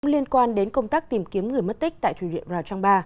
liên quan đến công tác tìm kiếm người mất tích tại thủy điện rào trang ba